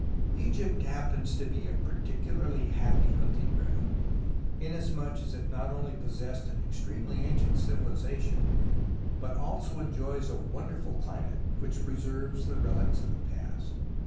Egypt happens to be a particularly happy hunting ground, inasmuch as it not only pos sessed an extremely ancient civilization, but also enjoys a wonderful climate, which preserves the relics of the past.